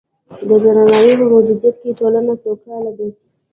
د درناوي په موجودیت کې ټولنه سوکاله ده.